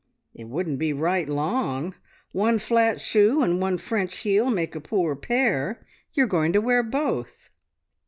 "`It wouldn't be right long. One flat shoe and one French heel make a poor pair. You are going to wear both.'